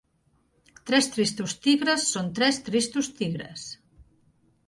Tres tristos tigres són tres tristos tigres.